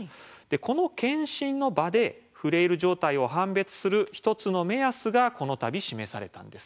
この健診の場でフレイル状態を判別する一つの目安がこの度示されたんです。